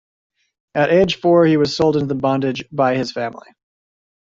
At age four, he was sold into bondage by his family.